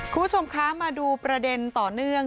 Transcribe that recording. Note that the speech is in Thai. คุณผู้ชมคะมาดูประเด็นต่อเนื่อง